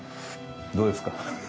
どうですか。